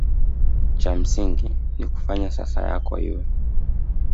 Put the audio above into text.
cha msingi ni kuifanya sasa yako iwe